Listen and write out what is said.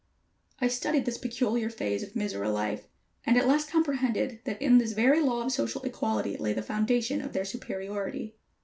I studied this peculiar phase of Mizora life, and at last comprehended that in this very law of social equality lay the foundation of their superiority.